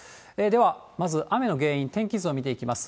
では、まず雨の原因、天気図を見ていきます。